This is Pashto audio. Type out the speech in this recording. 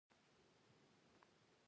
نړۍ تاته ستا د بې حسابه اخلاص سزا درکوي.